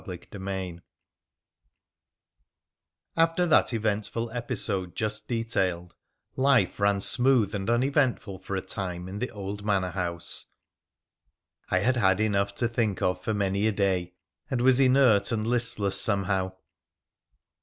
CHAPTEE XXIV After that eventful episode just detailed, life ran smooth and uneventful for a time in the old manor house. I had had enough to think of for many a day, and was inert and listless somehow.